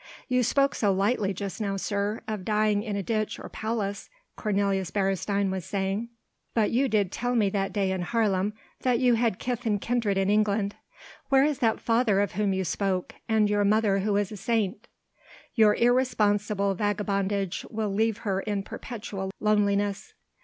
"You spoke so lightly just now, sir, of dying in a ditch or palace," Cornelius Beresteyn was saying, "but you did tell me that day in Haarlem that you had kith and kindred in England. Where is that father of whom you spoke, and your mother who is a saint? Your irresponsible vagabondage will leave her in perpetual loneliness."